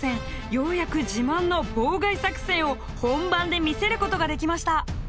ようやく自慢の妨害作戦を本番で見せることができました。